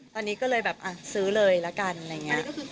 ตอนนี้ก็เลยแบบซื้อเลยละกันอะไรอย่างนี้